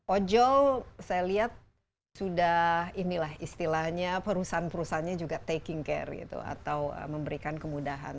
ojol saya lihat sudah inilah istilahnya perusahaan perusahaannya juga taking care gitu atau memberikan kemudahan